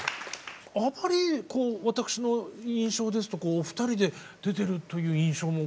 あまり私の印象ですとお二人で出てるという印象も。